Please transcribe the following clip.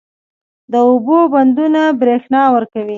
د اوبو بندونه برښنا ورکوي